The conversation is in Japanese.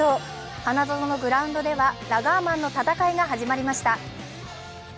花園のグラウンドではラガーマンの戦いが始まりました。